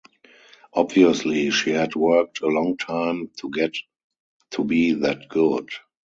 Obviously she had worked a long time to get to be that good.